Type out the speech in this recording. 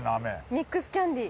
ミックスキャンディー。